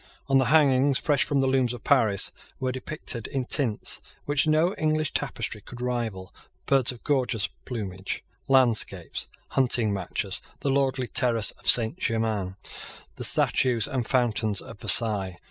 On the hangings, fresh from the looms of Paris, were depicted, in tints which no English tapestry could rival, birds of gorgeous plumage, landscapes, hunting matches, the lordly terrace of Saint Germains, the statues and fountains of Versailles.